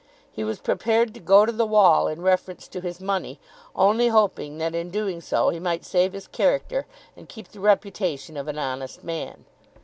He was prepared to go to the wall in reference to his money, only hoping that in doing so he might save his character and keep the reputation of an honest man.